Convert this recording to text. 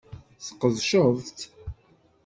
Tesqedceḍ-tt?